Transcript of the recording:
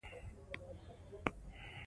له ژونده بېزاري نور هېڅ هم نه.